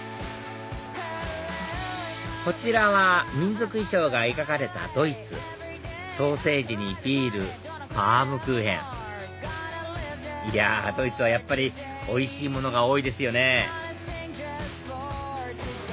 こちらは民族衣装が描かれたドイツソーセージにビールバウムクーヘンいやドイツはやっぱりおいしいものが多いですよね